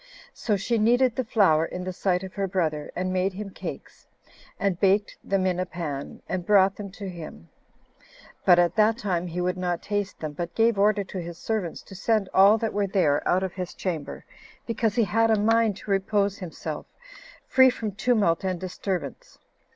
So she kneaded the flour in the sight of her brother, and made him cakes, and baked them in a pan, and brought them to him; but at that time he would not taste them, but gave order to his servants to send all that were there out of his chamber, because he had a mind to repose himself, free from tumult and disturbance.